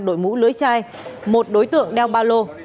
đội mũ lưỡi chai một đối tượng đeo ba lô